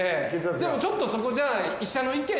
でもちょっとそこじゃあ。